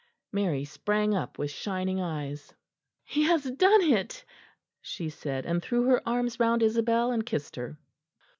Mary sprang up with shining eyes. "He has done it," she said, and threw her arms round Isabel and kissed her.